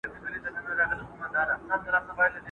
هغه په تېښته پهلوان د سورلنډیو لښکر٫